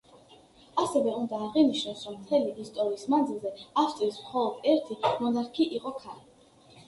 ასევე უნდა აღინიშნოს, რომ მთელი ისტორიის მანძილზე, ავსტრიის მხოლოდ ერთი მონარქი იყო ქალი.